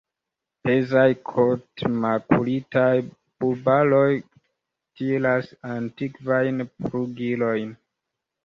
Pezaj kotmakulitaj bubaloj tiras antikvajn plugilojn.